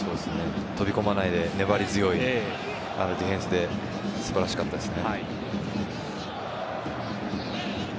飛び込まないで粘り強いディフェンスで素晴らしかったです。